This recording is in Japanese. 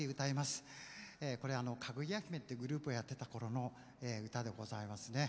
これはかぐや姫ってグループをやってた頃の歌でございますね。